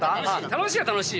楽しいは楽しい。